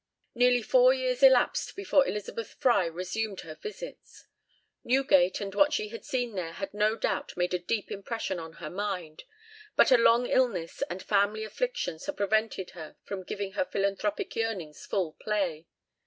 Nearly four years elapsed before Elizabeth Fry resumed her visits. Newgate and what she had seen there had no doubt made a deep impression on her mind, but a long illness and family afflictions had prevented her from giving her philanthropic yearnings full play.